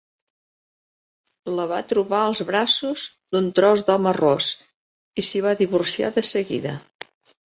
La va trobar als braços d'un tros d'home ros i s'hi va divorciar de seguida.